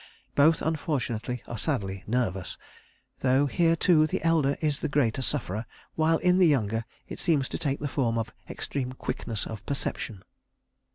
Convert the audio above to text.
Both, unfortunately are sadly nervous, though here, too, the elder is the greatest sufferer, while in the younger it seems to take the form of extreme quickness of perception....